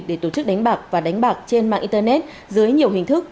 để tổ chức đánh bạc và đánh bạc trên mạng internet dưới nhiều hình thức